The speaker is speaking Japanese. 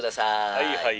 「はいはい。